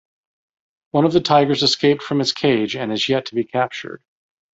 One of the tigers escaped from its cage and is yet to be captured.